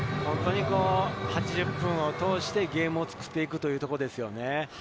８０分を通してゲームを作っていくというところですよね。